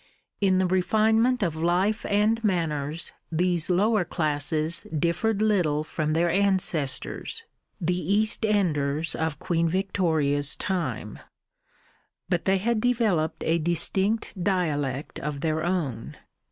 In the refinement of life and manners these lower classes differed little from their ancestors, the East enders of Queen Victoria's time; but they had developed a distinct dialect of their own.